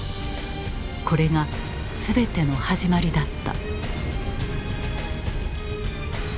これが全ての始まりだった。